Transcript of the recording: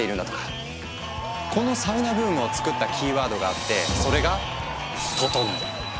このサウナブームをつくったキーワードがあってそれが「ととのう」。